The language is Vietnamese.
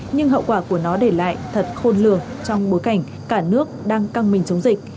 nhưng hậu quả của nó để lại thật khôn lường trong bối cảnh cả nước đang căng mình chống dịch